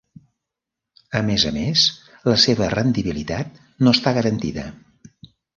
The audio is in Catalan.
A més a més, la seva rendibilitat no està garantida.